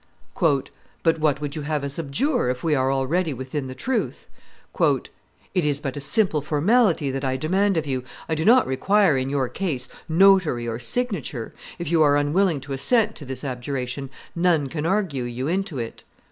"But what would you have us abjure, if we are already within the truth?" "It is but a simple formality that I demand of you; I do not require in your case notary or signature; if you are unwilling to assent to this abjuration, none can argue you into it."